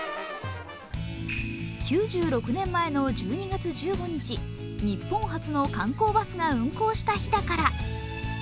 ９６年前の１２月１５日日本初の観光バスが運行した日だから。